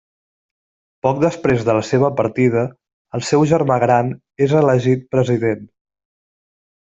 Poc després de la seva partida, el seu germà gran és elegit president.